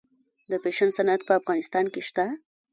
د فیشن صنعت په افغانستان کې شته؟